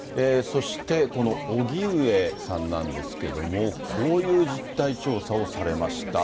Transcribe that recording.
そしてこの荻上さんなんですけども、こういう実態調査をされました。